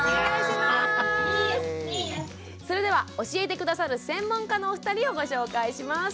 それでは教えて下さる専門家のお二人をご紹介します。